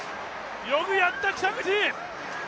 よくやった、北口！